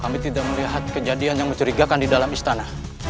kami tidak melihat kejadian yang mencurigakan di dalam istana